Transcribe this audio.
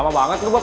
lama banget lu bob